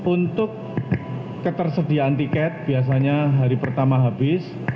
untuk ketersediaan tiket biasanya hari pertama habis